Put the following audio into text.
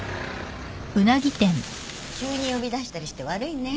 急に呼び出したりして悪いね。